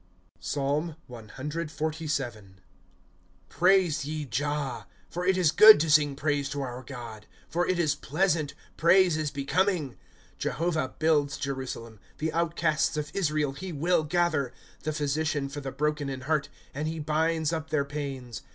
PSALM CXLTIL ^ Praise ye Jah. For it is good to sing praise to our God ; For it is pleasant, praise is becoming. ^ Jehovah builds Jerusalem, The outcasts of Israel he will gather ;^ The pliysician for the broken in heart, And he binds up their pains.